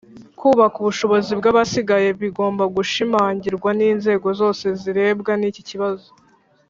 kubaka ubushobozi bw'abasigaye bigomba gushimangirwa n'inzego zose zirebwa n'iki kibazo.